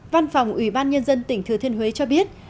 văn phòng ủy ban nhân dân tỉnh thừa thiên huế cho biết